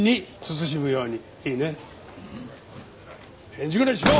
返事ぐらいしろ！